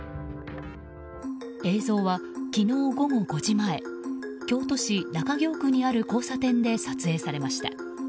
映像は、昨日午後５時前京都市中京区にある交差点で撮影されました。